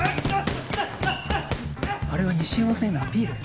あれは西山さんへのアピール？